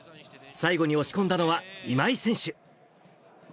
最後に押し込んだのは、今井選手。